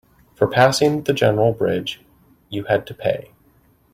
For passing the general bridge, you had to pay.